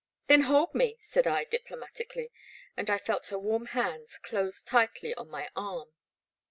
'' Then hold me," said I diplomatically, and I felt her warm hands close tightly on my left arm.